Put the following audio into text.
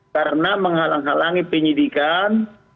karena menghalangi penyelidikan